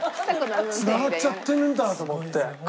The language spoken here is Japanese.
つながっちゃってるんだと思って。